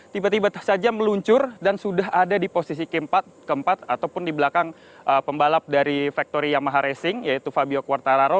tiba tiba saja meluncur dan sudah ada di posisi keempat ataupun di belakang pembalap dari factori yamaha racing yaitu fabio quartararo